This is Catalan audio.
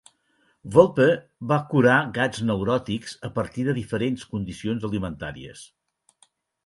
Wolpe va curar gats neuròtics a partir de diferents condicions alimentàries.